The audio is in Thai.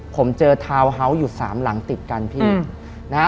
ผมเจอทาวน์เฮาส์อยู่สามหลังติดกัน